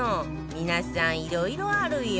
皆さんいろいろあるようで